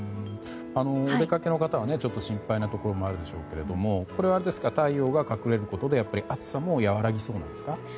お出かけの方は心配なところもあるでしょうがこれは、太陽が隠れることで暑さも和らぎそうなんですか？